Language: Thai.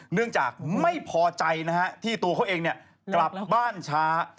เนื่องจากไม่พอใจนะฮะที่ตัวเขาเองกลับบ้านช้า